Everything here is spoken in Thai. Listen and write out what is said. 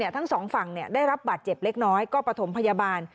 ทั้งสองฝั่งได้รับบาดเจ็บเล็กน้อยก็ประถมพยาบาล